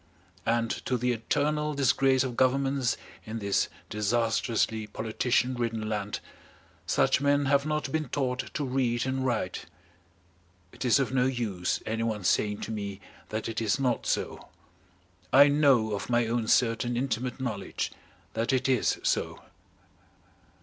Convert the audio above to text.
And to the eternal disgrace of governments in this disastrously politician ridden land such men have not been taught to read and write. It is of no use anyone saying to me that it is not so. I know of my own certain intimate knowledge that it is so.